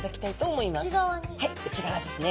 はい内側ですね。